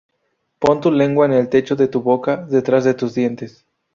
Pon tu lengua en el techo de tu boca, detrás de tus dientes.